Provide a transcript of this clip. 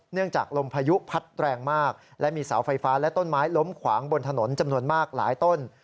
จากลมพายุพัดแรงมากและมีเสาไฟฟ้าและต้นไม้ล้มขวางบนถนนจำนวนมากหลายต้น